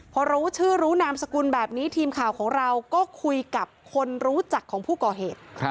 พอรู้ชื่อรู้นามสกุลแบบนี้ทีมข่าวของเราก็คุยกับคนรู้จักของผู้ก่อเหตุ